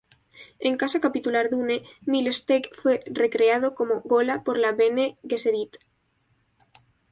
En Casa Capitular Dune, Miles Teg fue recreado como "ghola" por la Bene Gesserit.